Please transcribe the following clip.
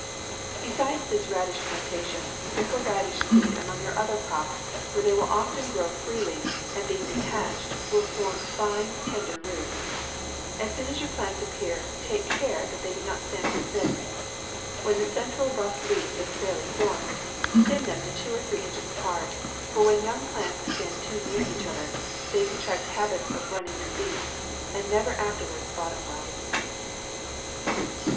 Besides this radish plantation, sprinkle radish seed among your other crops, where they will often grow freely, and being detach ed, will form fine, tender roots. As soon as your plants appear, take care that they do not stand too thick. When the central rough leaf is fairly formed, thin them to two or three inches apart ; for when young plants stand too near each other, they contract habits of running to leaf, and never afterwards bottom well.